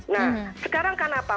nah sekarang karena apa